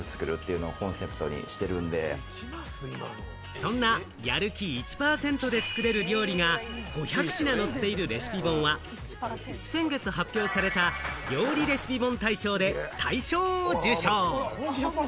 そんな、やる気１％で作れる料理が５００品載っているレシピ本は先月発表された、料理レシピ本大賞で大賞を受賞。